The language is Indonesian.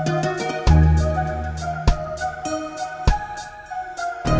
negasih tuh om